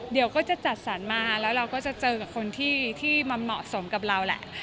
เดี๋ยวก็จะจัดสรรมาแล้วเราก็จะเจอกับคนที่มาเหมาะสมกับเราแหละ